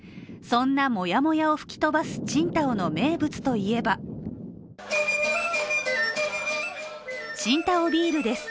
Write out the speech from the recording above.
そんなモヤモヤを吹き飛ばす青島の名物といえば青島ビールです。